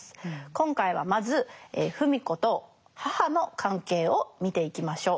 今回はまず芙美子と母の関係を見ていきましょう。